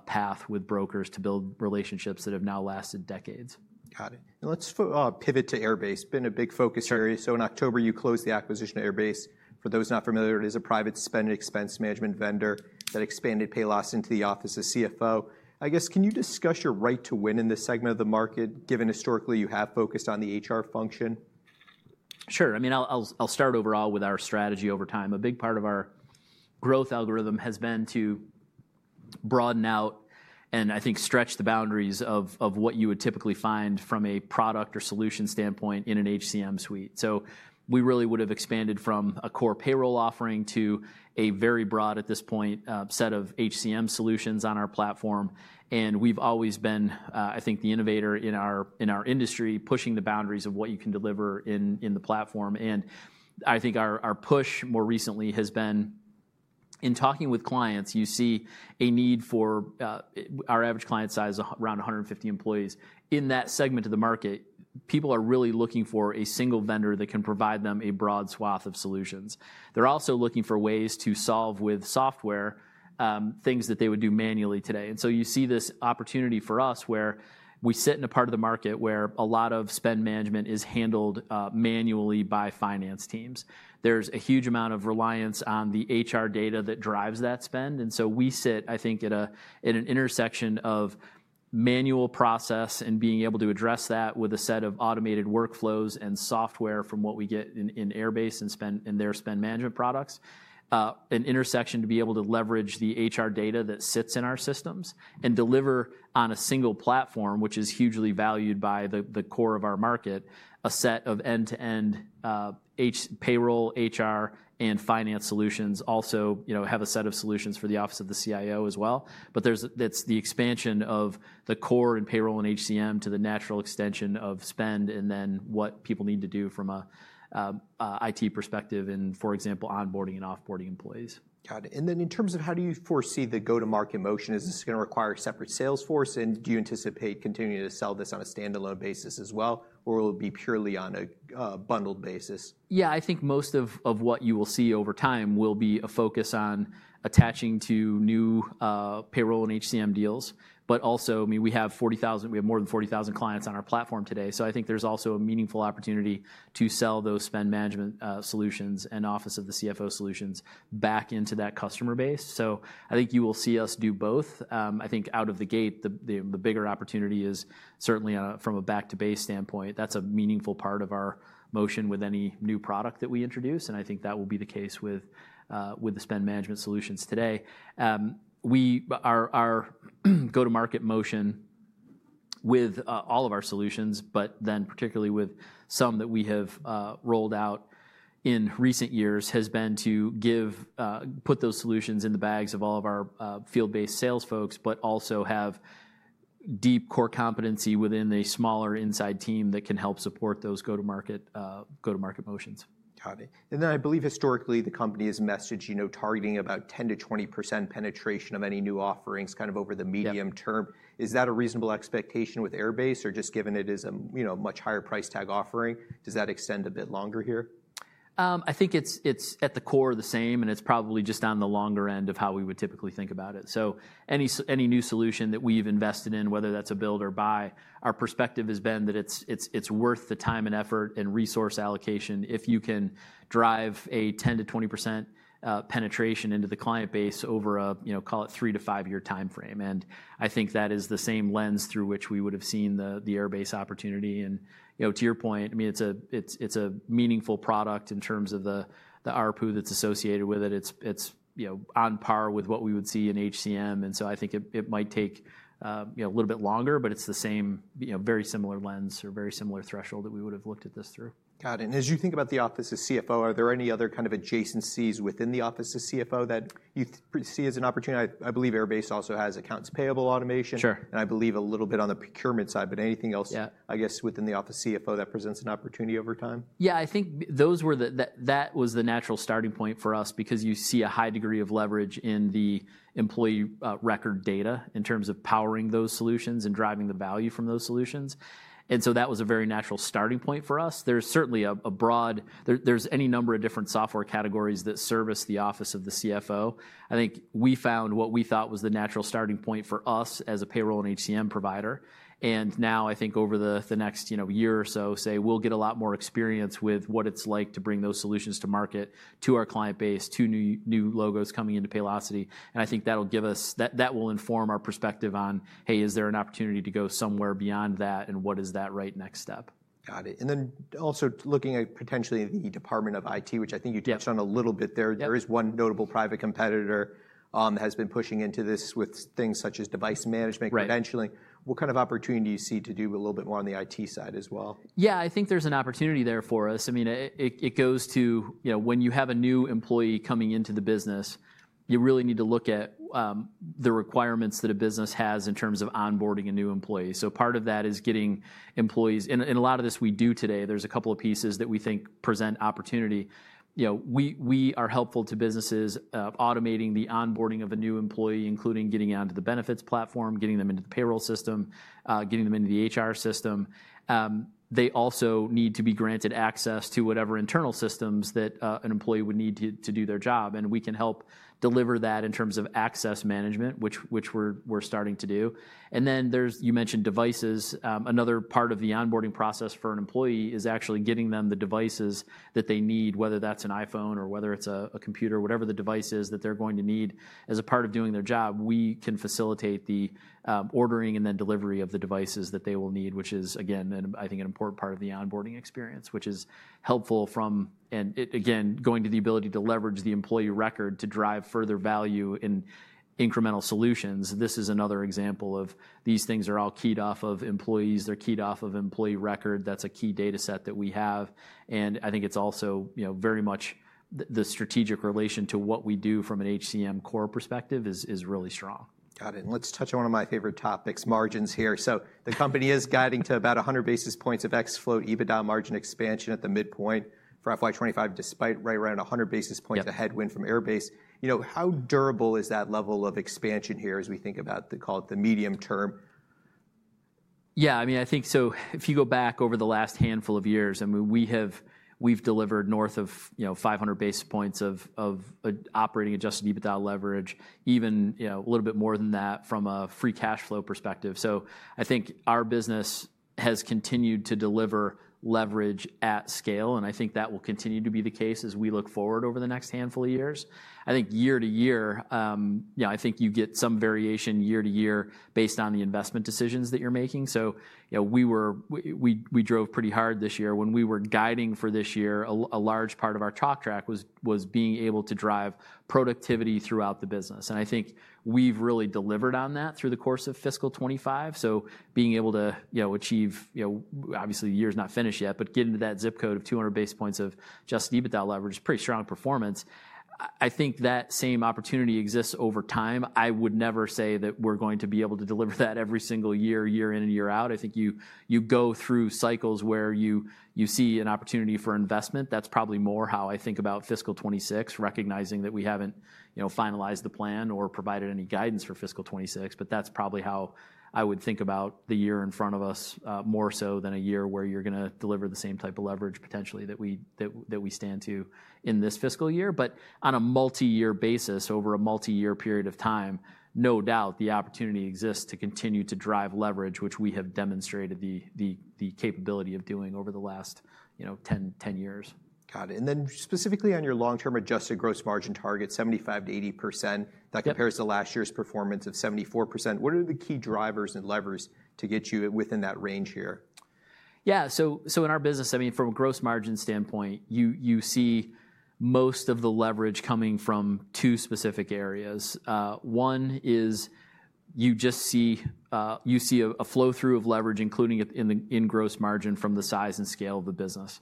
path with brokers to build relationships that have now lasted decades. Got it. Let's pivot to Airbase has been a big focus area. In October, you closed the acquisition of Airbase. For those not familiar, it is a private spend and expense management vendor that expanded Paylocity into the office of CFO. I guess, can you discuss your right to win in this segment of the market, given historically you have focused on the HR function? Sure. I mean, I'll start overall with our strategy over time. A big part of our growth algorithm has been to broaden out and, I think, stretch the boundaries of what you would typically find from a product or solution standpoint in an HCM suite. We really would have expanded from a core payroll offering to a very broad, at this point, set of HCM solutions on our platform. We've always been, I think, the innovator in our industry pushing the boundaries of what you can deliver in the platform. I think our push more recently has been in talking with clients. You see a need for our average client size is around 150 employees. In that segment of the market, people are really looking for a single vendor that can provide them a broad swath of solutions. They're also looking for ways to solve with software things that they would do manually today. You see this opportunity for us where we sit in a part of the market where a lot of spend management is handled manually by finance teams. There's a huge amount of reliance on the HR data that drives that spend. We sit, I think, at an intersection of manual process and being able to address that with a set of automated workflows and software from what we get in Airbase and their spend management products, an intersection to be able to leverage the HR data that sits in our systems and deliver on a single platform, which is hugely valued by the core of our market, a set of end-to-end payroll, HR, and finance solutions. Also, have a set of solutions for the office of the CIO as well. It's the expansion of the core and payroll and HCM to the natural extension of spend and then what people need to do from an IT perspective and, for example, onboarding and offboarding employees. Got it. In terms of how do you foresee the go-to-market motion? Is this going to require a separate sales force? Do you anticipate continuing to sell this on a standalone basis as well? Or will it be purely on a bundled basis? Yeah, I think most of what you will see over time will be a focus on attaching to new payroll and HCM deals. I mean, we have more than 40,000 clients on our platform today. I think there's also a meaningful opportunity to sell those spend management solutions and office of the CFO solutions back into that customer base. I think you will see us do both. I think out of the gate, the bigger opportunity is certainly from a back-to-base standpoint. That's a meaningful part of our motion with any new product that we introduce. I think that will be the case with the spend management solutions today. Our go-to-market motion with all of our solutions, but then particularly with some that we have rolled out in recent years, has been to put those solutions in the bags of all of our field-based sales folks but also have deep core competency within a smaller inside team that can help support those go-to-market motions. Got it. I believe historically the company has messaged targeting about 10%-20% penetration of any new offerings kind of over the medium term. Is that a reasonable expectation with Airbase? Or just given it is a much higher price tag offering, does that extend a bit longer here? I think it's at the core the same. It's probably just on the longer end of how we would typically think about it. Any new solution that we've invested in, whether that's a build or buy, our perspective has been that it's worth the time and effort and resource allocation if you can drive a 10%-20% penetration into the client base over a, call it, three-to-five-year time frame. I think that is the same lens through which we would have seen the Airbase opportunity. To your point, I mean, it's a meaningful product in terms of the RPU that's associated with it. It's on par with what we would see in HCM. I think it might take a little bit longer. It's the same very similar lens or very similar threshold that we would have looked at this through. Got it. As you think about the office of CFO, are there any other kind of adjacencies within the office of CFO that you see as an opportunity? I believe Airbase also has accounts payable automation. Sure. I believe a little bit on the procurement side. But anything else, I guess, within the office of CFO that presents an opportunity over time? Yeah, I think that was the natural starting point for us because you see a high degree of leverage in the employee record data in terms of powering those solutions and driving the value from those solutions. That was a very natural starting point for us. There's certainly a broad, there's any number of different software categories that service the office of the CFO. I think we found what we thought was the natural starting point for us as a payroll and HCM provider. Now, I think over the next year or so, we'll get a lot more experience with what it's like to bring those solutions to market to our client base, to new logos coming into Paylocity. I think that will inform our perspective on, hey, is there an opportunity to go somewhere beyond that? What is that right next step? Got it. Also looking at potentially the Department of IT, which I think you touched on a little bit there, there is one notable private competitor that has been pushing into this with things such as device management credentialing. What kind of opportunity do you see to do a little bit more on the IT side as well? Yeah, I think there's an opportunity there for us. I mean, it goes to when you have a new employee coming into the business, you really need to look at the requirements that a business has in terms of onboarding a new employee. Part of that is getting employees, and a lot of this we do today. There's a couple of pieces that we think present opportunity. We are helpful to businesses automating the onboarding of a new employee, including getting onto the benefits platform, getting them into the payroll system, getting them into the HR system. They also need to be granted access to whatever internal systems that an employee would need to do their job. We can help deliver that in terms of access management, which we're starting to do. Then you mentioned devices. Another part of the onboarding process for an employee is actually getting them the devices that they need, whether that's an iPhone or whether it's a computer, whatever the device is that they're going to need. As a part of doing their job, we can facilitate the ordering and then delivery of the devices that they will need, which is, again, I think, an important part of the onboarding experience, which is helpful from, and again, going to the ability to leverage the employee record to drive further value in incremental solutions. This is another example of these things are all keyed off of employees. They're keyed off of employee record. That's a key data set that we have. I think it's also very much the strategic relation to what we do from an HCM core perspective is really strong. Got it. Let's touch on one of my favorite topics, margins here. The company is guiding to about 100 basis points of ex-float EBITDA margin expansion at the midpoint for FY2025, despite right around 100 basis points of headwind from Airbase. How durable is that level of expansion here as we think about, call it, the medium term? Yeah, I mean, I think so if you go back over the last handful of years, I mean, we've delivered north of 500 basis points of operating adjusted EBITDA leverage, even a little bit more than that from a free cash flow perspective. I think our business has continued to deliver leverage at scale. I think that will continue to be the case as we look forward over the next handful of years. I think year to year, you get some variation year to year based on the investment decisions that you're making. We drove pretty hard this year. When we were guiding for this year, a large part of our chalk track was being able to drive productivity throughout the business. I think we've really delivered on that through the course of fiscal 2025. Being able to achieve, obviously, the year's not finished yet, but getting to that zip code of 200 basis points of just EBITDA leverage is pretty strong performance. I think that same opportunity exists over time. I would never say that we're going to be able to deliver that every single year, year in and year out. I think you go through cycles where you see an opportunity for investment. That's probably more how I think about fiscal 2026, recognizing that we haven't finalized the plan or provided any guidance for fiscal 2026. That's probably how I would think about the year in front of us more so than a year where you're going to deliver the same type of leverage potentially that we stand to in this fiscal year. On a multi-year basis, over a multi-year period of time, no doubt the opportunity exists to continue to drive leverage, which we have demonstrated the capability of doing over the last 10 years. Got it. And then specifically on your long-term adjusted gross margin target, 75%-80%, that compares to last year's performance of 74%. What are the key drivers and levers to get you within that range here? Yeah, so in our business, I mean, from a gross margin standpoint, you see most of the leverage coming from two specific areas. One is you see a flow-through of leverage, including in gross margin, from the size and scale of the business.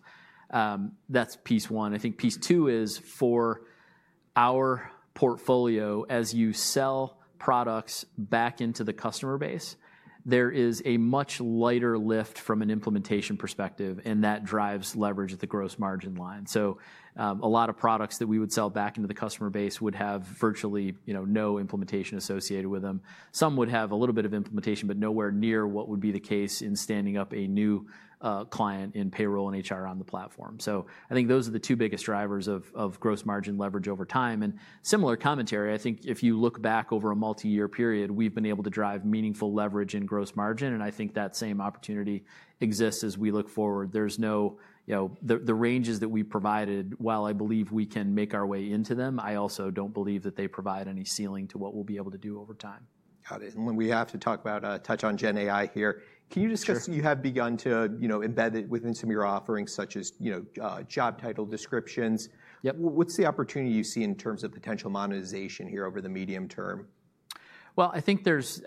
That's piece one. I think piece two is for our portfolio, as you sell products back into the customer base, there is a much lighter lift from an implementation perspective. That drives leverage at the gross margin line. A lot of products that we would sell back into the customer base would have virtually no implementation associated with them. Some would have a little bit of implementation, but nowhere near what would be the case in standing up a new client in payroll and HR on the platform. I think those are the two biggest drivers of gross margin leverage over time. Similar commentary, I think if you look back over a multi-year period, we've been able to drive meaningful leverage in gross margin. I think that same opportunity exists as we look forward. The ranges that we provided, while I believe we can make our way into them, I also don't believe that they provide any ceiling to what we'll be able to do over time. Got it. We have to talk about, touch on GenAI here. Can you discuss, you have begun to embed it within some of your offerings, such as job title descriptions? Yep. What's the opportunity you see in terms of potential monetization here over the medium term? I think there's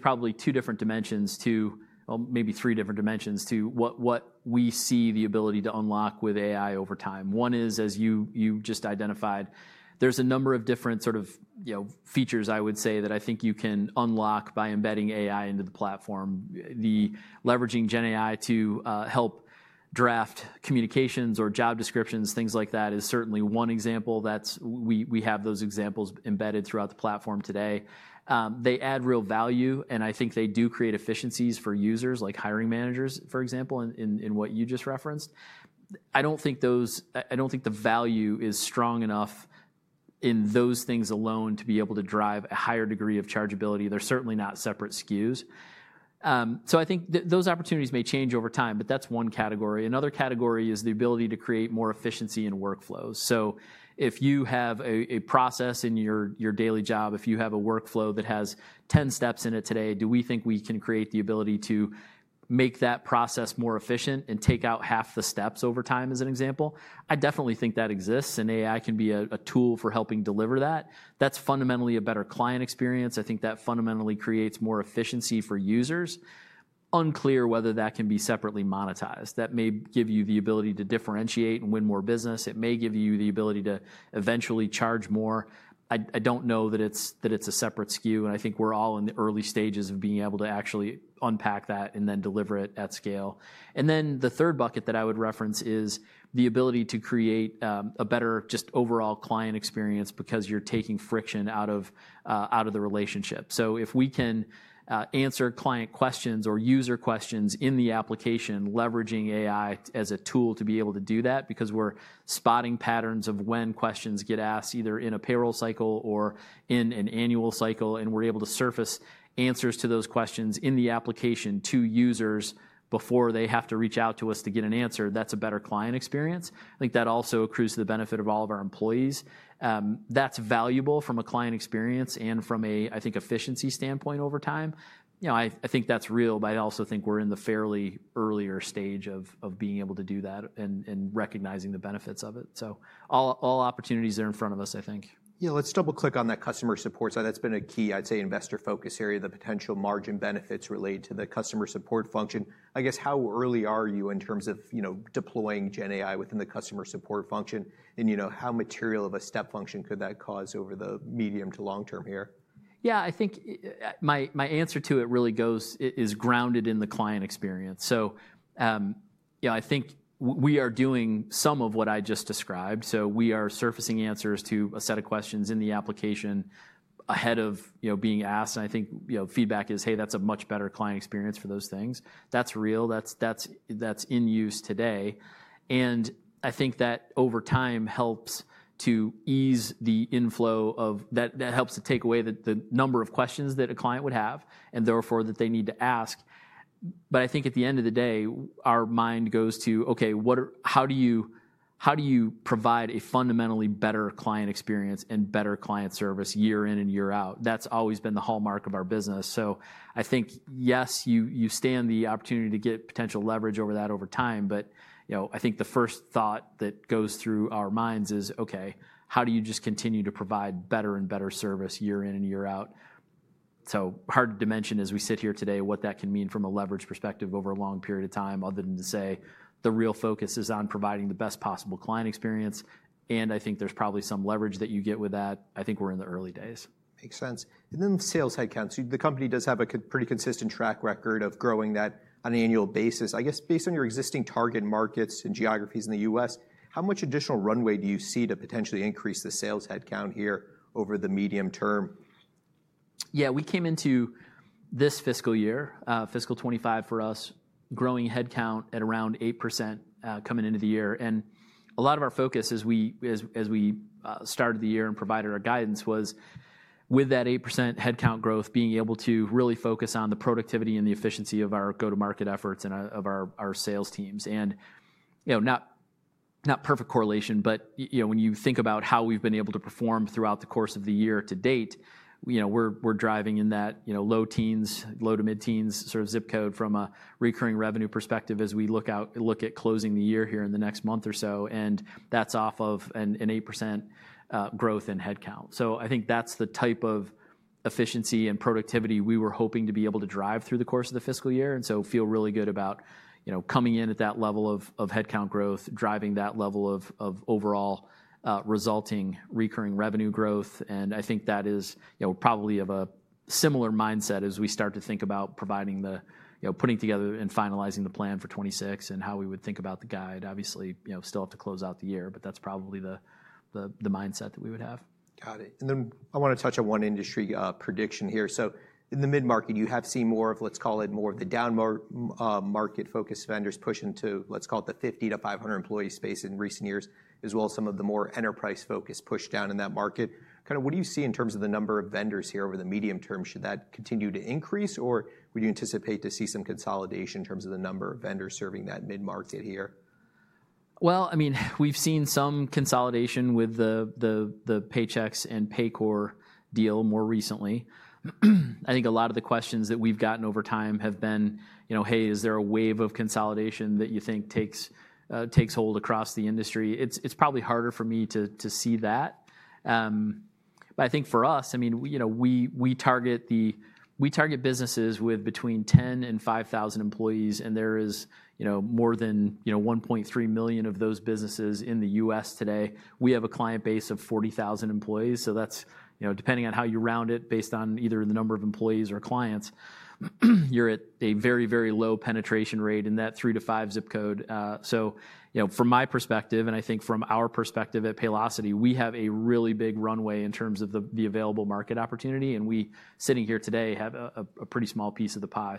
probably two different dimensions to, well, maybe three different dimensions to what we see the ability to unlock with AI over time. One is, as you just identified, there's a number of different sort of features, I would say, that I think you can unlock by embedding AI into the platform. The leveraging GenAI to help draft communications or job descriptions, things like that, is certainly one example. We have those examples embedded throughout the platform today. They add real value. I think they do create efficiencies for users, like hiring managers, for example, in what you just referenced. I don't think the value is strong enough in those things alone to be able to drive a higher degree of chargeability. They're certainly not separate SKUs. I think those opportunities may change over time. That's one category. Another category is the ability to create more efficiency in workflows. If you have a process in your daily job, if you have a workflow that has 10 steps in it today, do we think we can create the ability to make that process more efficient and take out half the steps over time as an example? I definitely think that exists. AI can be a tool for helping deliver that. That is fundamentally a better client experience. I think that fundamentally creates more efficiency for users. Unclear whether that can be separately monetized. That may give you the ability to differentiate and win more business. It may give you the ability to eventually charge more. I do not know that it is a separate SKU. I think we are all in the early stages of being able to actually unpack that and then deliver it at scale. The third bucket that I would reference is the ability to create a better just overall client experience because you're taking friction out of the relationship. If we can answer client questions or user questions in the application, leveraging AI as a tool to be able to do that because we're spotting patterns of when questions get asked either in a payroll cycle or in an annual cycle, we're able to surface answers to those questions in the application to users before they have to reach out to us to get an answer. That's a better client experience. I think that also accrues to the benefit of all of our employees. That's valuable from a client experience and from a, I think, efficiency standpoint over time. I think that's real. I also think we're in the fairly earlier stage of being able to do that and recognizing the benefits of it. So all opportunities are in front of us, I think. Yeah, let's double-click on that customer support side. That's been a key, I'd say, investor focus area, the potential margin benefits related to the customer support function. I guess how early are you in terms of deploying GenAI within the customer support function? And how material of a step function could that cause over the medium to long term here? Yeah, I think my answer to it really is grounded in the client experience. I think we are doing some of what I just described. We are surfacing answers to a set of questions in the application ahead of being asked. I think feedback is, hey, that's a much better client experience for those things. That's real. That's in use today. I think that over time helps to ease the inflow of that, helps to take away the number of questions that a client would have and therefore that they need to ask. I think at the end of the day, our mind goes to, OK, how do you provide a fundamentally better client experience and better client service year in and year out? That's always been the hallmark of our business. I think, yes, you stand the opportunity to get potential leverage over that over time. I think the first thought that goes through our minds is, OK, how do you just continue to provide better and better service year in and year out? It is hard to dimension as we sit here today what that can mean from a leverage perspective over a long period of time other than to say the real focus is on providing the best possible client experience. I think there is probably some leverage that you get with that. I think we are in the early days. Makes sense. And then sales headcount. The company does have a pretty consistent track record of growing that on an annual basis. I guess based on your existing target markets and geographies in the U.S., how much additional runway do you see to potentially increase the sales headcount here over the medium term? Yeah, we came into this fiscal year, fiscal 2025 for us, growing headcount at around 8% coming into the year. A lot of our focus as we started the year and provided our guidance was with that 8% headcount growth, being able to really focus on the productivity and the efficiency of our go-to-market efforts and of our sales teams. Not perfect correlation, but when you think about how we've been able to perform throughout the course of the year to date, we're driving in that low teens, low to mid-teens sort of zip code from a recurring revenue perspective as we look at closing the year here in the next month or so. That's off of an 8% growth in headcount. I think that's the type of efficiency and productivity we were hoping to be able to drive through the course of the fiscal year. I feel really good about coming in at that level of headcount growth, driving that level of overall resulting recurring revenue growth. I think that is probably of a similar mindset as we start to think about providing the putting together and finalizing the plan for 2026 and how we would think about the guide. Obviously, still have to close out the year. That's probably the mindset that we would have. Got it. I want to touch on one industry prediction here. In the mid-market, you have seen more of, let's call it, more of the down market-focused vendors push into, let's call it, the 50-500 employee space in recent years, as well as some of the more enterprise-focused push down in that market. Kind of what do you see in terms of the number of vendors here over the medium term? Should that continue to increase? Would you anticipate to see some consolidation in terms of the number of vendors serving that mid-market here? I mean, we've seen some consolidation with the Paychex and Paycor deal more recently. I think a lot of the questions that we've gotten over time have been, hey, is there a wave of consolidation that you think takes hold across the industry? It's probably harder for me to see that. I think for us, I mean, we target businesses with between 10 and 5,000 employees. There is more than 1.3 million of those businesses in the U.S. today. We have a client base of 40,000 employees. That's depending on how you round it based on either the number of employees or clients, you're at a very, very low penetration rate in that three to five zip code. From my perspective, and I think from our perspective at Paylocity, we have a really big runway in terms of the available market opportunity. We sitting here today have a pretty small piece of the pie.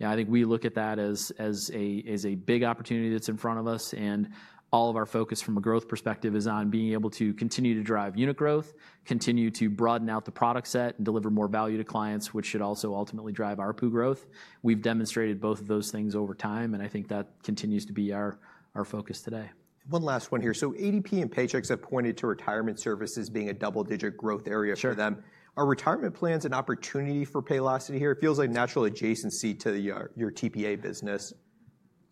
I think we look at that as a big opportunity that's in front of us. All of our focus from a growth perspective is on being able to continue to drive unit growth, continue to broaden out the product set, and deliver more value to clients, which should also ultimately drive our RPU growth. We've demonstrated both of those things over time. I think that continues to be our focus today. One last one here. ADP and Paychex have pointed to retirement services being a double-digit growth area for them. Are retirement plans an opportunity for Paylocity here? It feels like natural adjacency to your TPA business.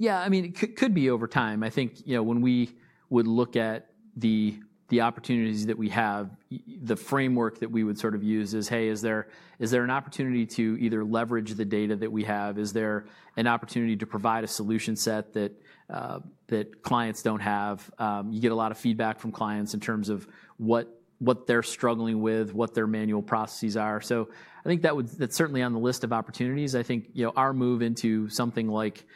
Yeah, I mean, it could be over time. I think when we would look at the opportunities that we have, the framework that we would sort of use is, hey, is there an opportunity to either leverage the data that we have? Is there an opportunity to provide a solution set that clients don't have? You get a lot of feedback from clients in terms of what they're struggling with, what their manual processes are. I think that's certainly on the list of opportunities. I think our move into something like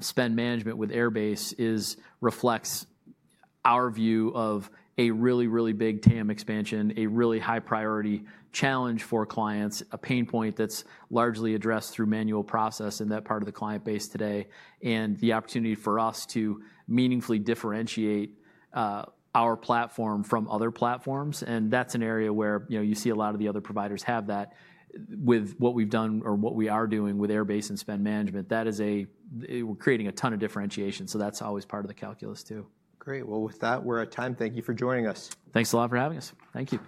spend management with Airbase reflects our view of a really, really big TAM expansion, a really high-priority challenge for clients, a pain point that's largely addressed through manual process in that part of the client base today, and the opportunity for us to meaningfully differentiate our platform from other platforms. That is an area where you see a lot of the other providers have that. With what we have done or what we are doing with Airbase and spend management, that is a we are creating a ton of differentiation. That is always part of the calculus too. Great. With that, we're out of time. Thank you for joining us. Thanks a lot for having us. Thank you.